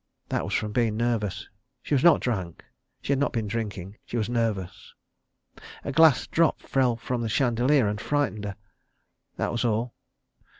That was from being nervous. She was not drunk. She had not been drinking. She was nervous. A glass drop fell from the chandelier and frightened her. That was all.